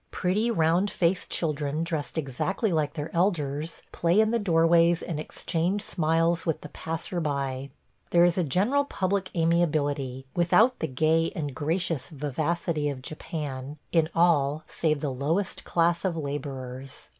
Pretty round faced children, dressed exactly like their elders, play in the doorways and exchange smiles with the passer by. There is a general public amiability – without the gay and gracious vivacity of Japan – in all save the lowest class of laborers.